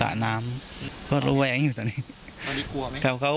ป้าอันนาบอกว่าตอนนี้ยังขวัญเสียค่ะไม่พร้อมจะให้ข้อมูลอะไรกับนักข่าวนะคะ